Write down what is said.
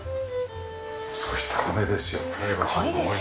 少し高めですよ。